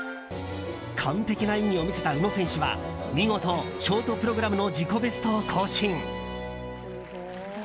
完璧な演技を見せた宇野選手は見事ショートプログラムの自己ベストを更新。